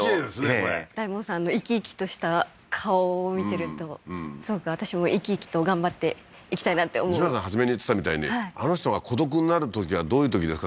これ大門さんの生き生きとした顔を見てるとすごく私も生き生きと頑張っていきたいなって思う西村さん初めに言ってたみたいにあの人が孤独になるときはどういうときですか？